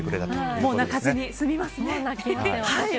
もう泣かずに済みますね。